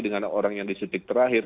dengan orang yang disuntik terakhir